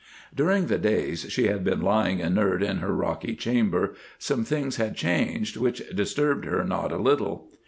During the days she had been lying inert in her rocky chamber, some things had happened which disturbed her not a little.